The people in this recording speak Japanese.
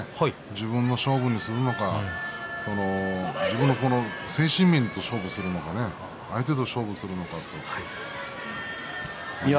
自分の勝負にするのか自分の精神面と勝負するのか相手と勝負をするのか。